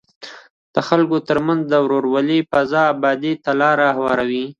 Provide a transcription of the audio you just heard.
د خلکو ترمنځ د ورورولۍ فضا ابادۍ ته لاره هواروي.